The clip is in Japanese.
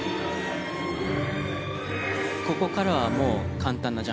ここからはもう簡単なジャンプです。